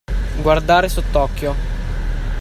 Guardare sott'occhio.